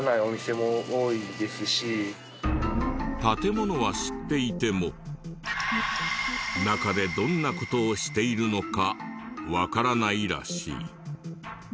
建物は知っていても中でどんな事をしているのかわからないらしい。